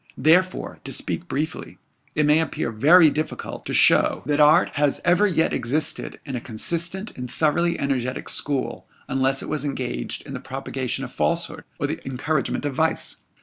Therefore, to speak briefly, it may appear very difficult to show that art has ever yet existed in a consistent and thoroughly energetic school, unless it was engaged in the propagation of falsehood, or the encouragement of vice.